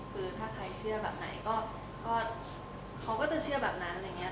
คือใครเชื่อแบบนั้นก็เขาจึงจะเชื่อแบบนั้นอะไรงี้